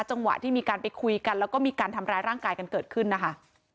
จังหวะที่มีการไปคุยกันแล้วก็มีการทำร้ายร่างกายกันเกิดขึ้นนะคะ